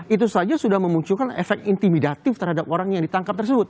itu saja sudah memunculkan efek intimidatif terhadap orang yang ditangkap tersebut